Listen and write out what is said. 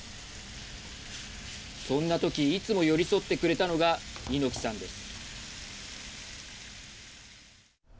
そんな時、いつも寄り添ってくれたのが猪木さんです。